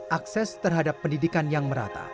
akses terhadap pendidikan yang merata